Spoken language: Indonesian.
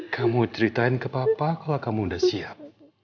kamu ceritain ke papa kalau kamu sudah siap